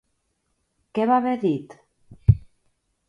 Què va haver dit.